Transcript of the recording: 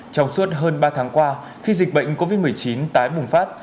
trong suốt hơn ba tháng qua khi dịch bệnh covid một mươi chín tái bùng phát